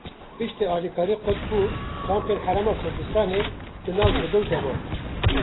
Piştî alîkarî qut bû, kampên Herêma Kurdistanê di nav zibil de man.